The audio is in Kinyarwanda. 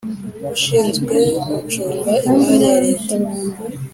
ushinzwe Gucunga Imari ya Leta